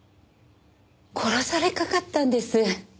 殺されかかったんです。